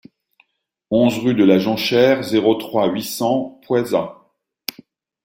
onze rue de la Jonchère, zéro trois, huit cents Poëzat